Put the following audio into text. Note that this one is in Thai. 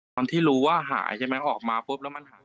ที่รู้ว่าหายใช่ไหมออกมาปุ๊บแล้วมันหาย